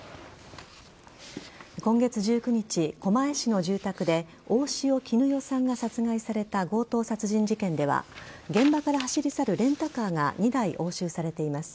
今月１９日、狛江市の住宅で大塩衣与さんが殺害された強盗殺人事件では現場から走り去るレンタカーが２台、押収されています。